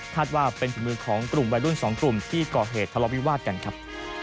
ว่าเป็นฝีมือของกลุ่มวัยรุ่น๒กลุ่มที่ก่อเหตุทะเลาวิวาสกันครับ